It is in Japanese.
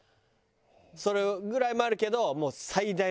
それぐらいもあるけど。